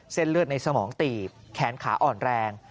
เส้นเลือดในสมองตีบแขนขาอ่อนแรง